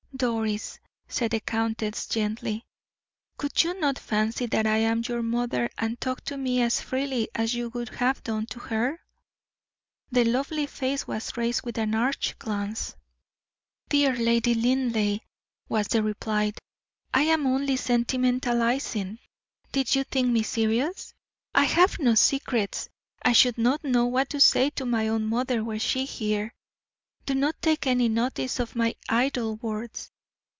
"Doris," said the countess, gently, "could you not fancy that I am your mother, and talk to me as freely as you would have done to her?" The lovely face was raised with an arch glance. "Dear Lady Linleigh," was the reply, "I am only sentimentalizing. Did you think me serious? I have no secrets. I should not know what to say to my own mother were she here. Do not take any notice of my idle words."